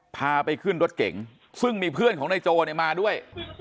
พาไปขึ้นรถเก่งซึ่งมีเพื่อนของในโจมาด้วย